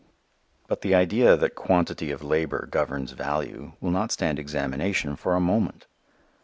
But the idea that quantity of labor governs value will not stand examination for a moment.